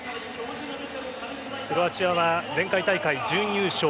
クロアチアは前回大会準優勝。